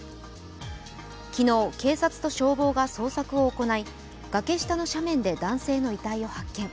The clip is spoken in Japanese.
昨日、警察と消防が捜索を行いがけ下の斜面で男性の遺体を発見。